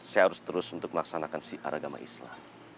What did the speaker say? saya harus terus untuk melaksanakan syiar agama islam